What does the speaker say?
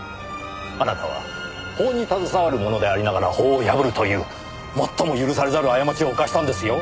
あなたは法に携わる者でありながら法を破るという最も許されざる過ちを犯したんですよ！